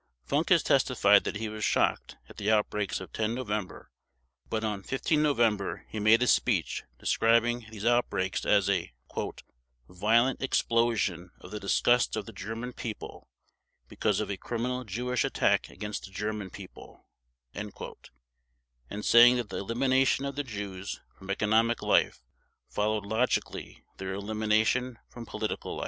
Funk has testified that he was shocked at the outbreaks of 10 November, but on 15 November he made a speech describing these outbreaks as a "violent explosion of the disgust of the German People, because of a criminal Jewish attack against the German People", and saying that the elimination of the Jews from economic life followed logically their elimination from political life.